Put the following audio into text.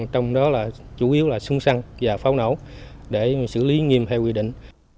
trong đó là chủ yếu là sung săn và pháo nổ để xử lý nghiêm theo quy định